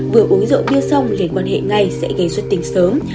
vừa uống rượu bia xong liên quan hệ ngay sẽ gây suất tính sớm